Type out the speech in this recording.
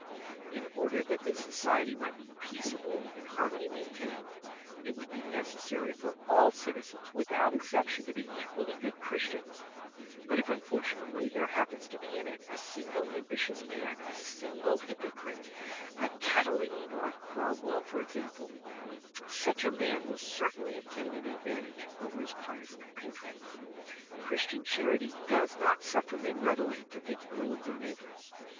In order that the society might be peaceable and har mony maintained, it would be necessary for all citizens without exception to be equally good Christians; but if unfortunately there happens to be in it a single ambitious man, a single hypocrite, a Catiline or a Cromwell for example, such a man will certainly obtain an advantage over his pious compatriots. Christian charity does not suflEer men readily to think ill of their neighbors.